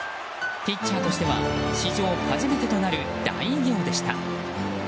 ピッチャーとしては史上初めてとなる大偉業でした。